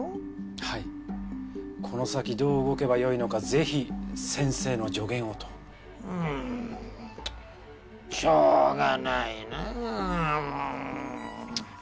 この先どう動けばよいのかぜひ先生の助言をと。うんしょうがないなあもう。